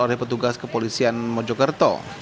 oleh petugas kepolisian mojokerto